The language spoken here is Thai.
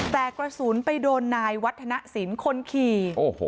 แต่กระสุนไปโดนนายวัฒนศิลป์คนขี่โอ้โห